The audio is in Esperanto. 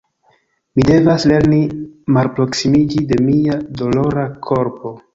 Mi devas lerni malproksimiĝi de mia dolora korpo.